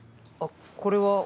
あ、これは？